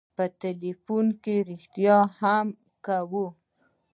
په ټېلفون کښې رښتيا هم اکا و.